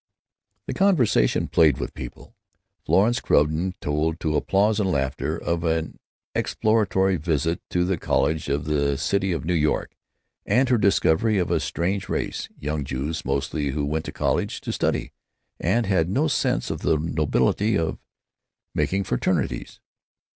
The conversation played with people. Florence Crewden told, to applause and laughter, of an exploratory visit to the College of the City of New York, and her discovery of a strange race, young Jews mostly, who went to college to study, and had no sense of the nobility of "making" fraternities.